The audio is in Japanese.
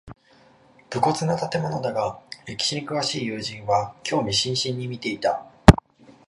無骨な建物だが歴史に詳しい友人は興味津々に見ていた